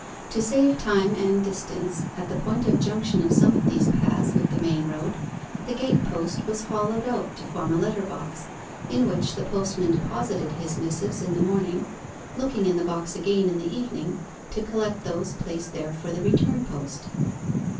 To save time and distance, at the point of junction of some of these paths with the main road, the gate post was hollowed out to form a letter box, in which the postman deposited his missives in the morning, looking in the box again in the evening to collect those placed there for the return post.